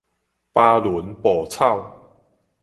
巴圇哺草